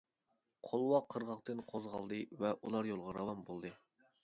قولۋاق قىرغاقتىن قوزغالدى ۋە ئۇلار يولغا راۋان بولدى.